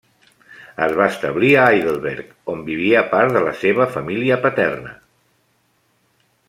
Es va establir a Heidelberg, on vivia part de la seva família paterna.